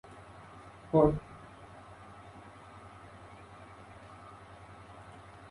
Una narración proporciona información básica de cada muerte-historia que se desarrolla en su tiempo.